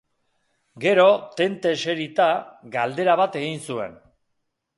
Gero, tente eserita, galdera bat egin zuen.